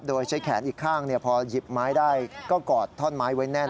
โดยใช้แขนอีกข้างพอหยิบไม้ได้ก็กอดท่อนไม้ไว้แน่น